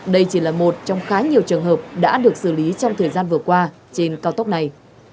đây chỉ là một trong khá nhiều trường hợp đã được xử lý trong thời gian vừa qua trên cao tốc này